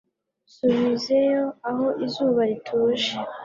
Nsubizeyo aho izuba rituje